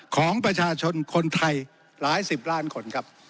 ของประชาชนคนไทยหลายสิบล้านคนครับ